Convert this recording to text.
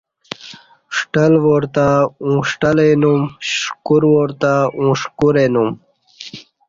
ݜٹل وارتہ اوں ݜٹل اینوم ݜکور وار تہ اوں شکور اینوم